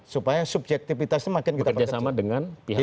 supaya subjektifitasnya makin kita bekerja sama dengan pihak lain